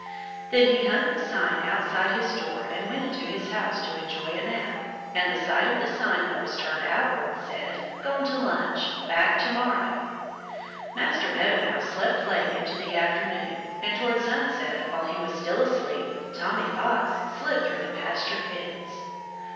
Then he hung the sign outside his door and went into his house to enjoy a nap. And the side of the sign that was turned outward said, "Gone to Lunch. Back To morrow." Master Meadow Mouse slept late into the afternoon. And towards sunset, while he was still asleep, Tommy Fox slipped through the pasture fence.